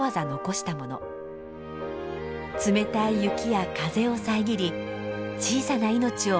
冷たい雪や風を遮り小さな命を守ってくれるのです。